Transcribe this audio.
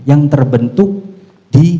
yang terbentuk di